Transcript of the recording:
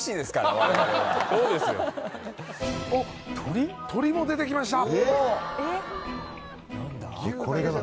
あっ鶏も出てきました。